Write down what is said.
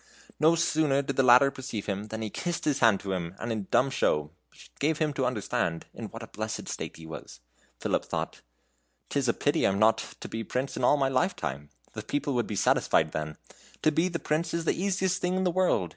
No sooner did the latter perceive him, than he kissed his hand to him, and in dumb show gave him to understand in what a blessed state he was. Philip thought: "'T is a pity I am not to be prince all my life time. The people would be satisfied then; to be a prince is the easiest thing in the world.